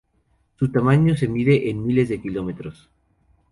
Su tamaño se mide en miles de kilómetros.